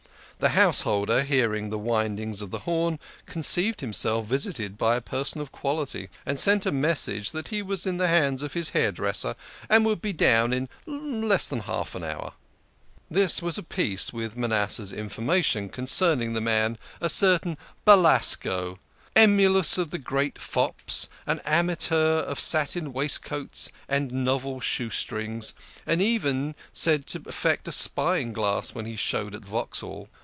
The householder, hearing the windings of the horn, conceived himself visited by a person of quality, and sent a icssage that he was in the hands of his hairdresser, but would be down in less than half an hour. This was of a piece with Manasseh 's information concerning the man a certain Belasco, emulous of the great fops, an amateur of satin waistcoats and novel shoestrings, and even said to affect a spying glass when he showed at Vauxhall.